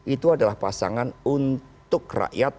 itu adalah pasangan untuk rakyat